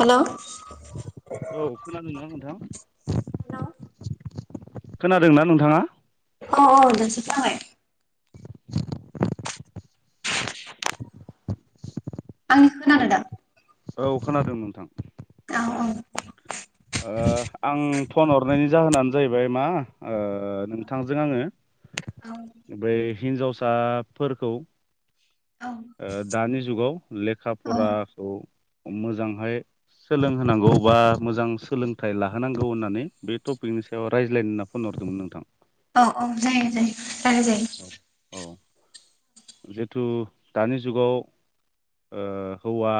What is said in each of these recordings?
Hello औ खोनादों ना नोंथां खोनादोंना नोंथांङा औ औ दासो खोनाबाय आंनि खोनादों दा औ खोनादों नोंथां औ औ ओ आं फन हरनायनि जाहोनानो जाहैबाय मा ओ नोंथांजों आङो औ बैओै हिन्जावसाफोरखौ औ ओ दानि जुगाव लेखा औ फराखौ मोजांङै सोलोंहोनांगौ बा मोजां सोलोंथाइ लाहोनांगौ होननानै बै टपिक नि सायाव रायज्लायनो होनना फन हरदोंमोन नोंथां औ औ जायो जायो रायलाय औ औ जिथु दानि जुगाव ओ हौवा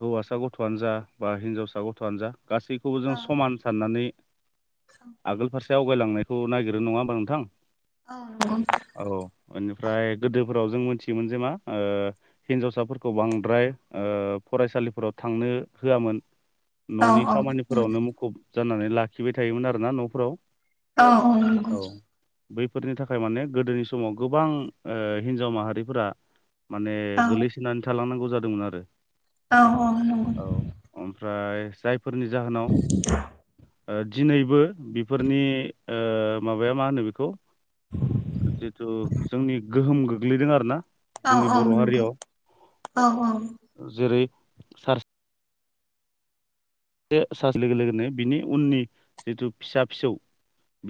हौवासा गथ'आनो जा बा हिनजावसा गथ'आनो जा गासैखौबो जों समान साननानै आगोल फारसे आवगायलांनायखौ नागिरो नङा होमबा नोंथां औ नंगौ औ बेनिफ्राय गोदोफोराव जों मोनथियोमोन जे मा ओ हिनजावसाफोरखौ ओ बांद्राय फरायसालिफोराव थांनो होआमोन जायो न'नि औ खामानिफोरावनो मुखुब जानानै लाखिबाय थायोमोन आरोना न'फोराव औ औ नंगौ औ बैफोरनि थाखाय माने गोदोनि समाव गोबां ओ हिनजाव माहारिफोरा माने औ गोलैसोनानै थालांनांगौ जादोंमोन आरो औ औ ओइ जायफोरनि जाहोनाव ओ दिनैबो बेफोरनि माबाया मा होनो बेखौ जिथु जोंनि गोहोम गोग्लैदों आरो ना औ जोंनि औ नंगौ औ बर' हारियाव औ जेरै सार जे सासे लोगो लोगोनो बिनि उननि जिथु फिसा फिसौ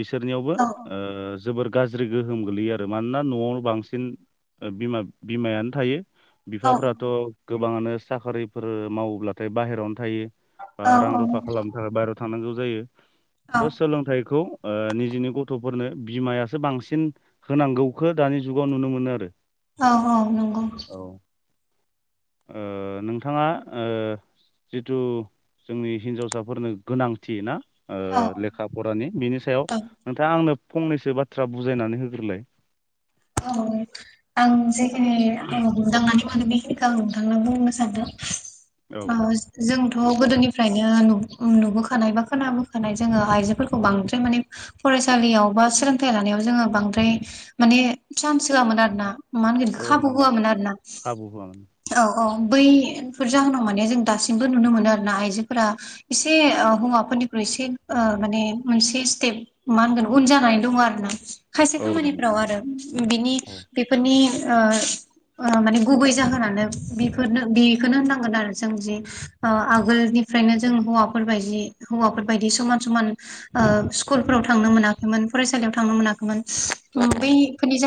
बिसोरनियावबो ओ जोबोर गाज्रि गोहोम गोलैयो आरो मानोना न'आवनो बांसिन बिमा बिमायानो थायो बिफाफ्राथ' गोबाङानो साख्रिफोर मावोब्लाथाय बाहेरावनो थायो बा रां रुफा खालामनो थाखाय बाहेरायाव थनांगौ जायो थ' सोलोंथाइखौ ओ निजेनि गथ'फोरनो बिमायासो बांसिन होनांगौखो दानि जुगाव नुनो मोनो आरो औ औ नंगौ औ ओ नोंथाङा ओ जिथु जोंनि हिनजावसाफोरनो गोनांथि ना ओ औ लेखा फरानि बिनि सायाव औ नोंथाङा आंनो फंनैसो बाथ्रा बुजायनानै होग्रोलाय औ आं जेखिनि ओ हमदांन मानि बेखिखौ आं नोंथांना बुंनो सानदों औ दे जोंथ' गोदोनिफ्रायनो न नुबोखानाय बा खोनाबोखानाय जोङो आइजोफोरखौ बांद्राय माने फरायसालियाव बा सोलोंथाइ लानायाव जोङो बांद्राय माने चान्स होआमोन आरो ना मा होनगोन औ खाबु नंगौ होआमोन आरो ना खाबु होआमोन औ अ बैफोर जाहोनाव माने जों दासिमबो नुनो मोनो आरो ना आइजोफोरा एसे हौवाफोर निफ्राय एसे माने मोनसे स्टेप मा होनगोन उन जानानै दङ आरो ना खायसे औ नंगौ खामानिफ्राव आरो बिनि औ बेफोरनि माने गुबै जाहोनानो बेफोरनो बेखौनो होननांगोन आरो जों जि आगोलनि बेनिफ्रायनो जों हौवाफोरबायदि हौवाफोरबायायदि समान समान स्कुलफोराव थांनो मोनाखैमोन फरायसालियाव थांनो मोनाखैमोन औ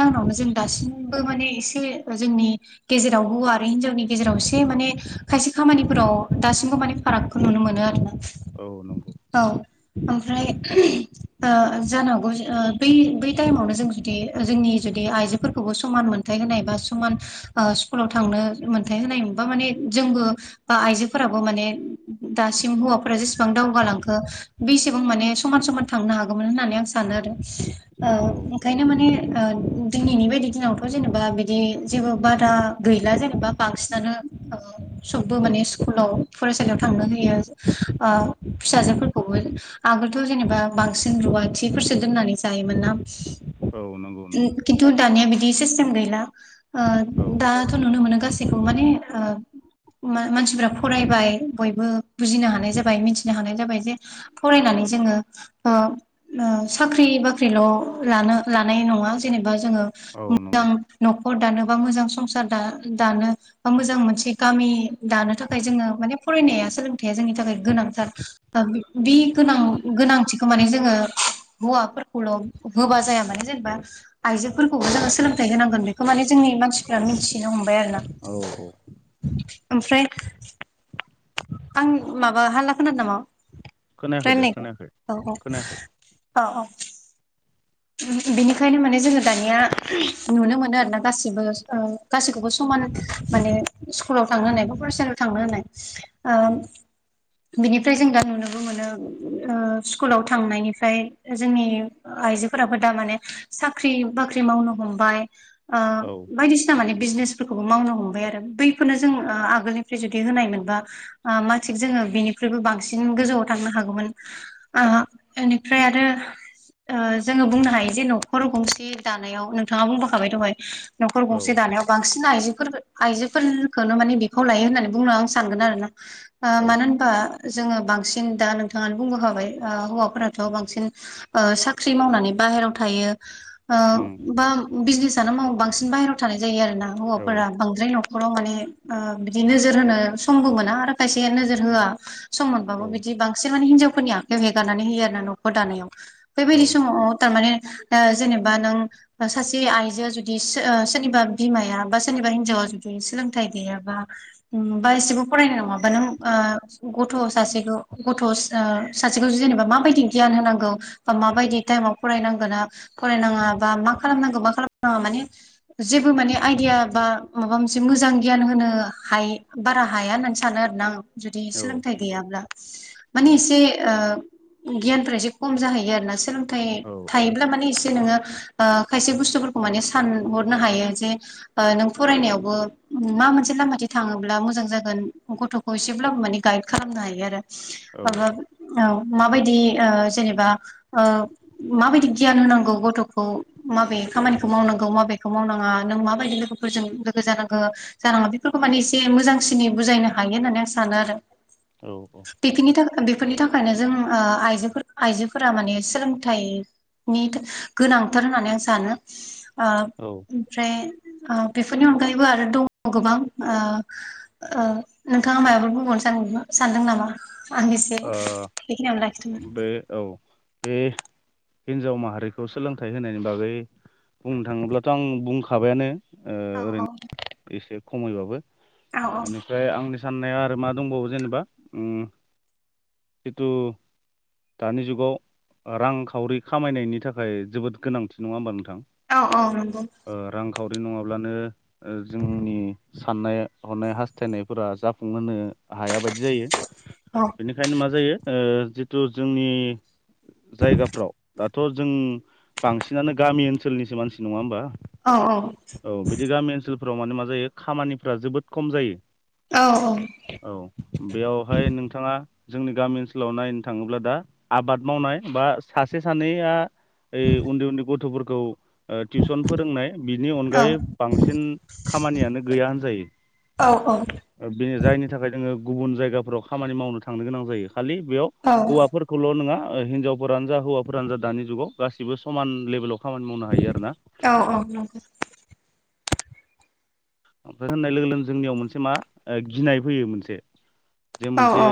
नावनो जों दासिमबो माने एसे जोंनि गेजेराव हौवा आरो हिनजावनि गेजेराव एसे माने खायसे खामानिफोराव दासिमबो माने फारागखौ नुनो मोनो आरो ना औ नंगौ ओमफ्राय जानो हागौ बै बै टाइमावनो जों जुदि जोंनि जुदि आइजोफोरखौबो समान मोनथाय होनाय बा समान स्कुलाव थांनो मोनथाइ होनाय बा माने जोंबो बा आइजोफोराबो माने दासिम हौवाफोरा जेसेबां दावगालांखो बेसेबां माने समान समान थांनो हागौमोन होननानै आं सानो औ नंगौ ओंखायनो माने दिनैनि बायदि दिनावथ' जेनेबा बिदि जेबो बादा गैला जेनेबा बांसिनानो सबबो माने स्कुलाव फरायसालियाव थांनो होयो फिसाजोफोरखौ आगोलथ' जेनेबा बांसिन रु औ नंगौ नंगौ खिन्थु दानिया बिदि सिस्टेम गैला औ दाथ' नुनो मोनो गासैखौ माने मानसिफ्रा फरायबाय बयबो बुजिनो हानाय जाबाय मिथिनो हानाय जाबाय जे फरायनानै जोङो साख्रि बाख्रिल' लानो लानाय नङा जेनेबा जोङो औ मोजां नंगौ हर दानो बा मोजां संसार दानो बा मोजां मोनसे गामि दानो थाखाय जोङो माने फरायनाया सोलोंथाइया जोंनि थाखाय गोनांथार बे गोनां गोनांथिखौ माने जोङो हौवाफोरखौल' होबा जाया माने जेनेबा आइजोफोरखौबो जोङो सोलोंथाइ होनांगोन बेखौ माने जोंनि मानसिफोरा मिथि हमबाय आरो ना औ औ ओमफ्राय आं माबा हाला खोनादो नामा [inaudible] खोनायाखै दे खोनायाखै खोनायाखै बेनिखायनो माने जोङो दानिया नुनो मोनो आरो ना गासिबो गासैखौबो सम स्कुलाव थांनो हनाय बा फरायसालियाव थांनो हनाय उम बेनिफ्राय जों दा नुनो बो मोनो स्कुलाव थांनायनिफ्राय जोंनि आइजो फोराबो दा माने साख्रि बाख्रि मावनो हमबाय ओ औ बायदिसिना माने बिजनेसफोरखौबो मावनो हमबाय आरो बैखौनो जों आगोलनिफ्राय जुदि होनाय मोनबा मा थिक जोङो बिनिख्रइबो बांसिन गोजौआव थांनो हागौमोन बेनिफ्राय आरो आ जोङो बुंनो हायो जे न'खर गंसे दानायाव नोंथाङा बुंबोखाबाय दहाय न'खर गंसे औ दानायाव बांसिन बिसना आइजोफोर आइजोफोरफोरखौनो माने बिफाव लायो होननानै बुंनो आं सानगोन आरो ना आ औ मानो होनबा जोङो बांसिन दा नोंथाङानो बुंबोखाबाय हौवाफोराथ' बांसिन साख्रि साख्रि मावनानै बाहेरायाव थायो उम बा बिजनेसानो माव बांसिन बाहेरायाव थानाय जायो आरो औ हौवाफोरा बांद्राय नख नख'राव माने बिदि नोजोर होनो समबो मोना आरो खायसे नोजोर होआ सम मोनबाबो औ बिदि बांसिन माने हिनजावफोरनि आखायाव हेगारनानै होयो आरो ना न'खर दानायाव औ बैबादि समाव थारमाने ओ जेनेबा नों सासे आइजोआ जुदि ओ सोरनिबा बिमाया बा सोरनिबा हिनजावा जुदि सोलोंथाइ गैयाबा उम बा एसेबो फरायनाय नङाबा नों ओ गथ' सासे गथ' ओ सासेखौ जेनेबा माबायदि गियान होनांगौ बा माबायदि टाइमाव फरायनांगो ना फरायनाङा बा मा खालामनांगौ मा खालामा माने जेबो माने आइदिया बा माबा मोनसे मोजां गियान होनो हाय- बारा हाया होननानै सानो आरोना आं जुदि औ सोलोंथाइ गैयाब्ला माने औ एसे ओ गियानफोरा एसे खम जाहैयो आरो सोलोंथाइ औ थायोब्ला माने एसे नोङो ओ खायसे बुस्थुफोरखौ माने सानहरनो हायो जे ओ नों फरायनायावबो मा मोनसे लामथि थाङोब्ला मोजां जागोन गथ'खौ एसेब्लाबो माने गाइद खालामनो हायो आरो औ ओहो ओ माबायदि ओ जेनेबा ओ माबायदि गियान होनांगौ गथ'खौ माबे खामानिखौ मावनांगौ माबेखौ मावनाङा नों माबायदि फोरजों लोगो जानांगो जानाङा बेफोरखौ माने एसे मोजांसिन बुजायनो हायो होननानै आं सानो आरो औ औ बेफोरनि थाखाय बेफोरनि थाखायनो जों ओ आइजोफोर- आइजोफोरा माने सोलोंथाइनि गो -गोनांथार होननानै आं सानो ओ औ इमफ्राय ओ बेफोरनि अनगायैबो आरो दङ' गोबां ओ - ओ नोंथाङा मायबाफोर बुंबावनो सा‌ सान-सानदों नामा आं एसे ओ बेखिनियावनो लाखिथ'नो बे औ बे हिनजाव माहारिखौ सोलोंथाइ होनायनि बागै बुंनो थाङोब्लाथ' आं बुंखाबायानो ओ औ औ ओरैनो एसे खमैबाबो औ एनिफ्राय आंनि साननाया आरो मा दंबावो जेनेबा उम जितु दानि जुगाव ओ रांखावरि खामायनायनि थाखाय जोबोद गोनांथि नङा होमबा नोंथ औ औ नंगौ खावरि नङाब्लानो ओ जोंनि साननाय हनाय हास्थायनायफोरा जाफुंहोनो हाया बायदि जायो औ बेनिखायनो मा जायो ओ जितु जोंनि जायगाफ्राव दाथ' जों बांसिनानो गामि ओनसोलनिसो मानसि नङा होमबा औ औ फोराव माने मा जायो खामानिफोरा जोबोद खम जायो औ औ बेयावहाय नों जोंनि गामि ओनसोलाव नायनो थाङोब्ला दा आबाद मावनाय बा सासे सानैया ओइ उन्दै उन्दै गथ'फोरखौ ओ टिउसन फोरोंनाय बिनि औ अनगायै बांसिन खामानियानो गैया होनजायो औ औ नंगौ औ ओ बे जायनि थाखाय जोङो गुबुन जायगाफोराव खामानि मावनो थांनो गोनां जायो खालि बेयाव हौवाफोरखौल' नङा ओ हिनजावफोरानो जा हौवाफोरानो जा दानि जुगाव गासिबो समान लेबेलाव खामानि मावनो हायो आरोना ओमफ्राय होननाय लोगो लोगोनो जोंनियाव मोनसे मा ओ गिनाय फैयो मोनसे जे मोनसे औ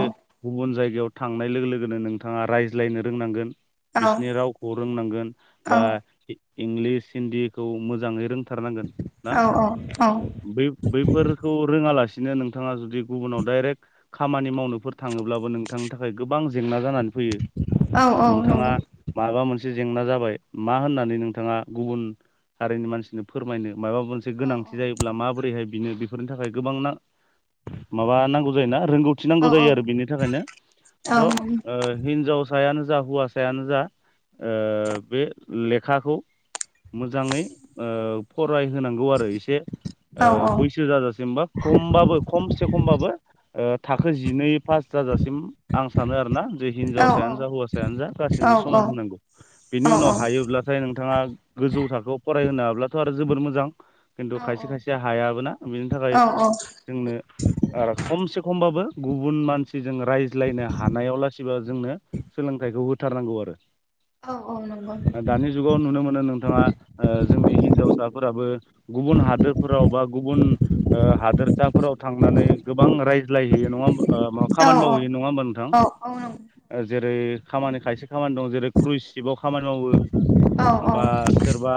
गुबुन जायगायाव थांनाय लोगो लोगोनो नोंथाङा रायज्लायनो रोंनांगोन बिसिनि रावखौ रोंनांगोन बा इंलिस हिन्दीखौ मोजाङै रों थारनांगोन ना बै-बैफोरखौ रोङालास नो नोंथाङा जुदि गुबुनाव डाइरेक्ट खामानि मावनोफोर थाङोब्लाबो नोंथांनि थाखाय गोबां जेंना जानानै फैयो नोंथाङा नंगौ माबा मोनसे से जेंना जाबाय मा होननानै नोंथाङा गुबुन हारिनि मानसिनो फोरमायनो माबा मोनसे औ गोनांथि औ जायोब्ला माबोरैहाय बिनो बेफोरनि थाखाय गोबां ना माबा नांगौ जायोना रोंगौथि औ नांगौ औ जायो आरो बेनि थाखायनो त ओ हिनजावसायानो जा हौवासायानो जा ओ बे लेखाखौ मोजाङै ओ फरायहोनांगौ आरो एसे ओ बैसो जाजासिम बा खमबाबो खमसे खमबाबो ओ थाखो जिनै पास जाजासिम आं सानो आरोना जे हिनजावसायानो जा हौवासायानो जा गासिनोबो समान होनांगौ बेनि उनाव हायोब्लाथाय नोंथाङा गोजौ थाखोआव फरायहोनो हाब्लाथ' आरो जोबोर मोजां खिन्थु खाय से खायसे हायाबोना बेनि थाखाय औ जोंनो ओ खमसे खमबाबो गुबुन मानसिजों रायज्लायनो हानायाव लासैबा जोंनो सोलोंथाइखौ होथारनांगौ आरो औ औ नं ओ दानि जुगाव नुनो मोनो नोंथाङा ओ जोंनि हिनजावसाफोराबो गुबुन हादोर ओ गुबु ओ हादोरसाफोराव थांनानै गोबां रायज्लायहैयो नङा होमबा ओ मा औ खामानि मावहैयो नङा होमबा नोंथां औ औ नंगौ ओ जेरै खामानि खायसे खामानि दं जेरै क्रुइज सिबाव खामानि मावो औ बा सोरबा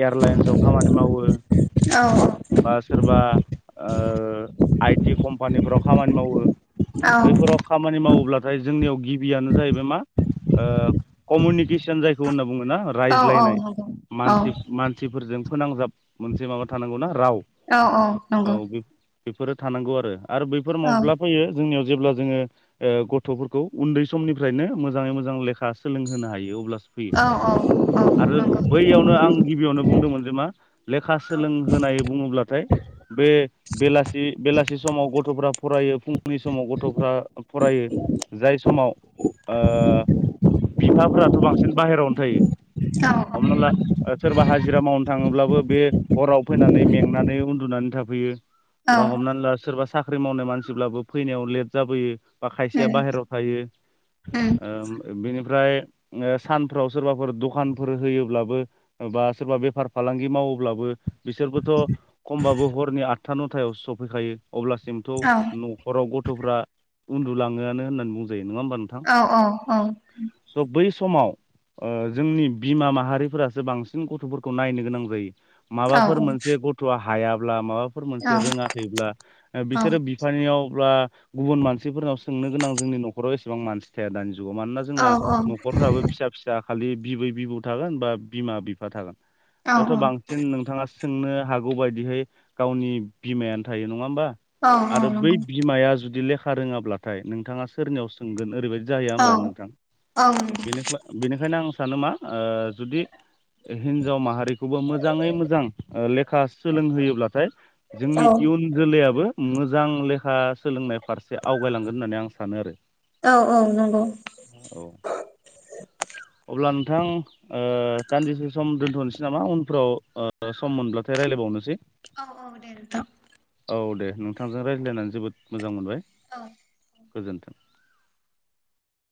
एयारलाइन्सआव खामानि मावो बा सोरबा ओ आइटि कम्पानिफ्राव खामानि मावो बैफोराव खामानि मावोब्ला जाय जोंनियाव गिबियानो जाहैबाय मा ओ कम'निकेसोन जायखौ होननाब बुङोना औ औ रायज्लायनाय मानसि नंगौ मानसिफोरजों फोनांजाब मोनसे माबा थानांगौना? राव औ औ नंगौ। बेफोरो थानांगौ आरो बैफोर औ माब्ला फैयो जोंनियाव जेब्ला जोङो ओ गथ'फोरखौ उन्दै समनिफ्रायनो मोजाङै मोजां लेखा सोलोंहोनो हायो अब्ला औ औ औ औ नंगौ औ आरो बैयावनो आं गिबियावनो बुंदोंमोन जे मा लेखा सोलोंहोनाय। ब्लाथाय बे बेलासि बेलासि समाव गथ'फ्रा फरायो फुंनि समाव गथ'फ्रा फरायो जाय समाव ओ बिफाफोरा थ बांसिन बाहेरायावनो थायो हमना ला सोरबा हाजिरा मावनो थाङोब्ला बे हराव फैनानै मेंनानै उन्दुनानै थाफैयो बा हमनानै ला सोरबा साख्रि मावनाय मानसिब्लाबो फैनायाव लेट जाबोयो बा खायसेया बाहेरायाव थायो। ओ बेनिफ्राय ओ सानफ्राव सोरबाफोर दखानफोर होयोब्लाबो बा सोरबा बेफार फालांगि मावोब्लाबो बिसोरबोथ' खमबाबो हरनि आदथा नथायावो सफैखायो। अब्लासिमथ' न'खराव गथ'फ्रा उन्दुलाङोआनो होननानै बुंजायो। नङा ओमबा नोंथां थ बैस समाव ओ जोंनि बिमा माहारिफोरासो बांसिन गथ'फोरखौ नायनो गोनां जायो। माबाफोर मोनसे गथ'आ हायाब्ला माबाफोर मोनसे रोङाखैब्ला ओ बिसोरो बिफानियाव ब्ला गुबुन मानसिफोरनाव सोंनो गोनां जोंनि न'खराव एसेबां मानसि थाया दानि जुगाव जुगाव मानोना जोंना न'खरफ्राबो फिसा फिसा खालि बिबै बिबौ थागोन बा बिमा बिफा थागोन। बेथ' बांसिन नोंथाङा सोंनो हागौ। हागौ बायदि हाय गावनि बिमायानो थायो नङा होमबा आरो बै बिमाया जुदि लेखा रोङाब्लाथाय नोंथाङा सोरनियाव सोंगोन ओरैबायदि जाहैया होमबा नोंथां बेनिखायनो आं सानो मा ओ जुदि हिन्जाव माहारिखौबो मोजाङै मोजां लेखा सोलोंहोयोब्लाथाय जोंनि इयुन जोलैयाबो मोजां लेखा सोलोंनाय फारसे आवगायलांगोन होननानै आं सानो आरो औ औ नंगौ। औ अब्ला नोंथां ओ दानदिसे‌ सम दोनथ'नोसै नामा उनफ्राव ओ सम मोनब्लथाय रायला बावनोसै। औ औ दे नोंथां। औ दे नोंथांजों रायज्लायनानै जोबोद मोजां मोनबाय। औ गोजोन्थों।